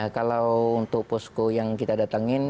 kalau untuk posko yang kita datangin